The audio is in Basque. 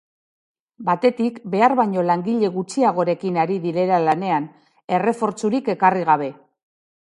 Batetik, behar baino langile gutxiagorekin ari direla lanean, errefortzurik ekarri gabe.